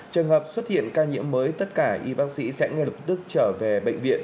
trường hợp xuất hiện ca nhiễm mới tất cả y bác sĩ sẽ ngay lập tức trở về bệnh viện